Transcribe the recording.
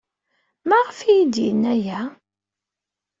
Maɣef ay iyi-d-yenna aya?